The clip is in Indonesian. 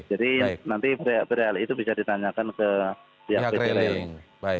jadi nanti berada di itu bisa ditanyakan ke pihak pt railing